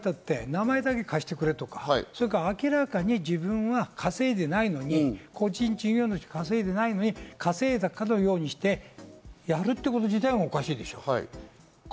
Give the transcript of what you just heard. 名前だけ貸してくれとか、明らかに自分が稼いでないのに個人事業主、稼いでないのに稼いだかのようにしてやるということ自体がおかしいでしょう。